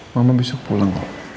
mama besok pulang